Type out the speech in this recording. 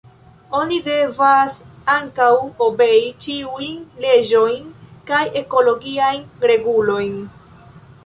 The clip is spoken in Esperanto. Oni devas ankaŭ obei ĉiujn leĝojn kaj ekologiajn regulojn.